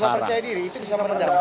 seberapa percaya diri itu bisa meredam